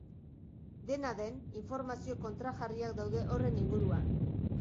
Dena den, informazio kontrajarriak daude horren inguruan.